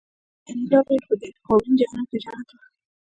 د انیلا غېږه په دې واورین جهنم کې جنت وه